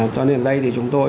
cho nên đây thì chúng tôi